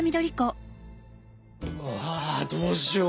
わどうしよう。